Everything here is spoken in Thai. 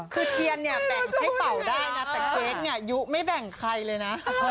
เค้ตี้ยนเนี่ยแปลงให้เปรานะแต่เค้กเนี่ยยุ้งแปลงใครเลยนะ